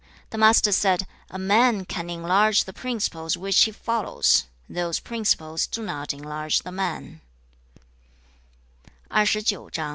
The Master said, 'A man can enlarge the principles which he follows; those principles do not enlarge the man.'